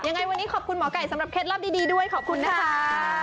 ยังไงวันนี้ขอบคุณหมอไก่สำหรับเคล็ดลับดีด้วยขอบคุณนะคะ